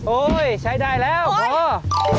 โอ๊ยใช้ได้แล้วโอ๊ย